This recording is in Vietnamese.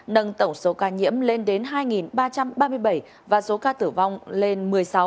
nâng tổng số ca nhiễm lên đến hai ba trăm ba mươi bảy và số ca tử vong lên một mươi sáu